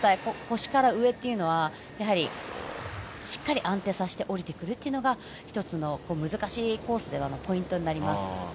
腰から上はやはりしっかり安定させて下りてくるのが１つの難しいコースでのポイントになります。